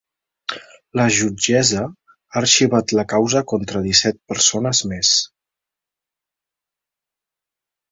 La jutgessa ha arxivat la causa contra disset persones més.